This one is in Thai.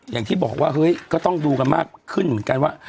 อย่างที่บอกว่าเฮ้ยก็ต้องดูกันมากขึ้นเหมือนกันว่า